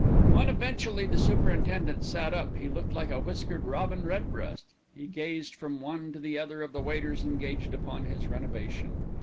When eventually the superintendent sat up, he looked like a whiskered robin redbreast. He gazed from one to the other of the waiters engaged upon his renovation.